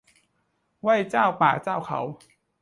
ไหว้เจ้าป่าเจ้าเขา